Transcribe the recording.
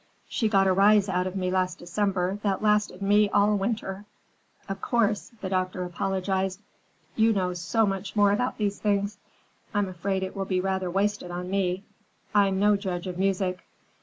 She got a rise out of me last December that lasted me all winter." "Of course," the doctor apologized, "you know so much more about such things. I'm afraid it will be rather wasted on me. I'm no judge of music."